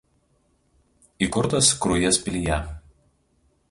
Įkurtas Krujės pilyje.